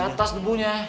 dari atas debunya